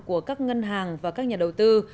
của các ngân hàng và các nhà đầu tư